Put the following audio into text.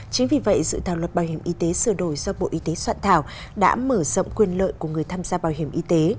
chính vì vậy dự thảo luật bảo hiểm y tế sửa đổi do bộ y tế soạn thảo đã mở rộng quyền lợi của người tham gia bảo hiểm y tế